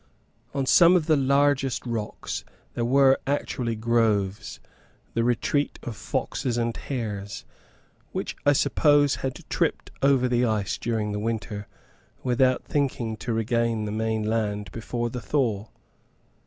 On some of the largest rocks there were actually groves, the retreat of foxes and hares, which, I suppose, had tripped over the ice during the winter, without thinking to regain the main land before the thaw.